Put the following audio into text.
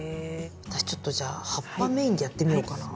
私ちょっとじゃあ葉っぱメインでやってみようかな。